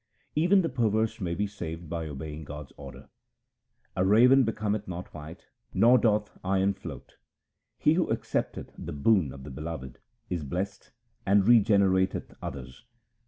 Even the perverse may be saved by obeying God's order :— A raven becometh not white, nor doth iron float. He who accepteth the boon of the Beloved, is blest and regenerateth others.